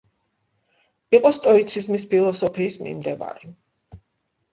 იყო სტოიციზმის ფილოსოფიის მიმდევარი.